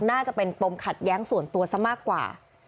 น่าจะเป็นปมขัดแย้งส่วนตัวซะมากกว่า